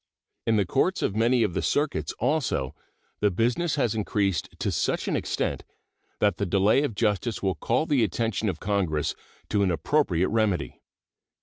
In the courts of many of the circuits also the business has increased to such an extent that the delay of justice will call the attention of Congress to an appropriate remedy.